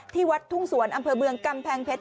ที่วัดทุ่งสวนอำเภอเมืองกำแพงเพชร